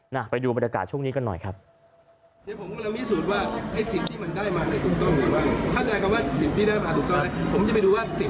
ไปดูบรรยากาศช่วงนี้กันหน่อยครับ